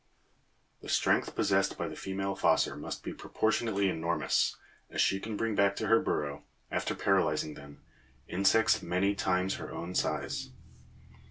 The strength possessed by the female fossor must be proportionately enormous, as she can bring back to her burrow, after paralyzing them, insects many times her own size.